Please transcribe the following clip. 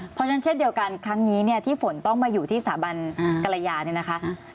เพราะฉะนั้นเช่นเดียวกันครั้งนี้เนี่ยที่ฝนต้องมาอยู่ที่สถาบันกรยาเนี่ยนะคะ